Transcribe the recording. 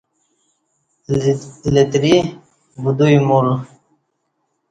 لتری بدویی مول